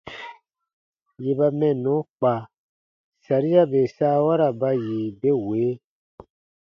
Yè ba mɛnnɔ kpa, saria bè saawara ba yi be wee: